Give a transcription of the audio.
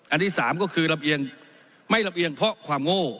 อันที่สามก็คือไม่ลำเอียงเพราะความโง่